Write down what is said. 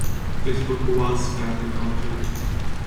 This book was banned in Algeria.